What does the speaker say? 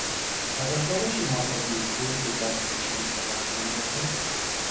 ایا تاسو کولی شئ ما ته نږدې د ګاز سټیشن ته لارښوونه وکړئ؟